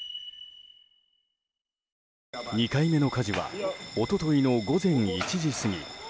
２回目の火事は一昨日の午前１時過ぎ。